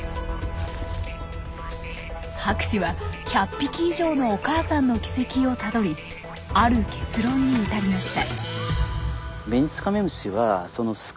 博士は１００匹以上のお母さんの軌跡をたどりある結論に至りました。